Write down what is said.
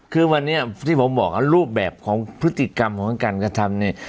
คือวันนี้ที่ผมบอกรูปแบบของพฤติกรรมของการกระทำเนี่ย